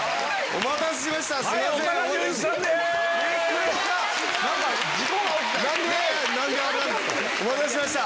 お待たせしました！